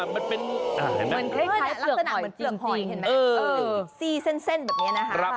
มันเป็นอะไรนะมันคล้ายลักษณะเหมือนเกือกหอยเห็นมั้ยหรือสี่เส้นแบบนี้นะคะ